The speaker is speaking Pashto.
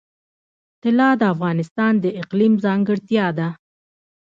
طلا د افغانستان د اقلیم ځانګړتیا ده.